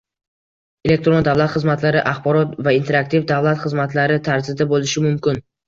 Elektron davlat xizmatlari axborot va interaktiv davlat xizmatlari tarzida bo‘lishi mumkin.